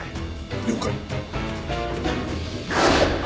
了解。